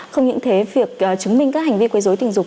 không những thế việc chứng minh các hành vi quấy dối tình dục